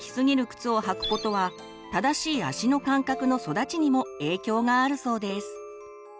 靴を履くことは「正しい足の感覚の育ち」にも影響があるそうです。